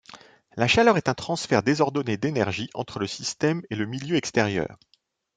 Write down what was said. La chaleur est un transfert désordonné d’énergie entre le système et le milieu extérieur.